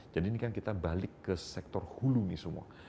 jadi ini kan kita balik ke sektor hulu nih semua